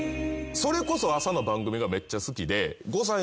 それこそ朝の番組がめっちゃ好きで。